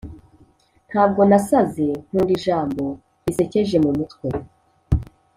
ntabwo nasaze nkunda ijambo risekeje mumutwe.